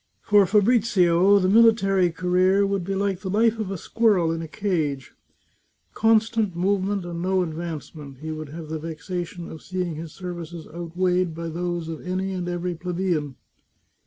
For Fa brizio the military career would be like the life of a squirrel in a cage — constant movement and no advancement ; he would have the vexation of seeing his services outweighed by those of any and every plebeian.